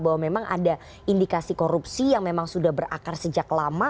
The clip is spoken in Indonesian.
bahwa memang ada indikasi korupsi yang memang sudah berakar sejak lama